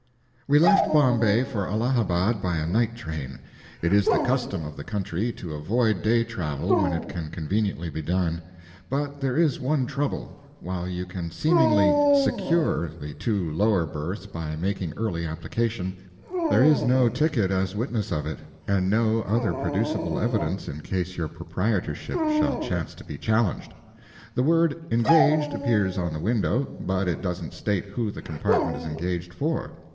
We left Bombay for Allahabad by a night train. It is the custom of the country to avoid day travel when it can conveniently be done. But there is one trouble: while you can seemingly "secure" the two lower berths by making early application, there is no ticket as witness of it, and no other producible evidence in case your proprietorship shall chance to be challenged. The word "engaged" appears on the window, but it doesn't state who the compartment is engaged, for.